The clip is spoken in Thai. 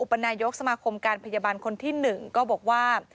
อุปนายกสัมครมการพยาบาลคนที่หนึ่งบอกว่า